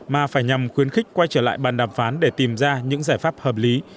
mà phải nhằm khuyến khích quay trở lại bàn đàm phán để tìm ra những giải pháp hợp lý